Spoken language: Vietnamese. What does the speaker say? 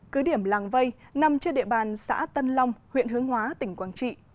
cứ điểm làng vây nằm trên địa bàn xã tân long huyện hướng hóa tỉnh quảng trị